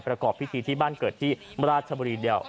ประกอบพิธีที่บ้านเกิดที่ราชบุรีเดียว